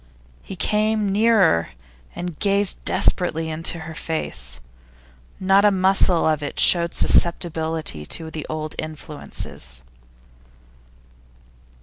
He came nearer, and gazed desperately into her face. Not a muscle of it showed susceptibility to the old influences.